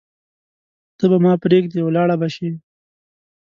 ته به ما پریږدې ولاړه به شې